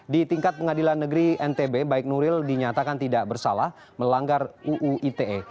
di tingkat pengadilan negeri ntb baik nuril dinyatakan tidak bersalah melanggar uu ite